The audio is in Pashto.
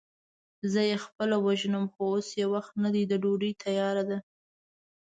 زه يې خپله وژنم، خو اوس يې وخت نه دی، ډوډۍ تياره ده.